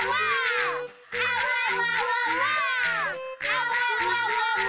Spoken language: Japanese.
「あわわわわ」